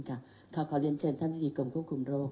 ขอเข้าเลี่ยญเชิญท่านสินิทริกรมควบคุมโรค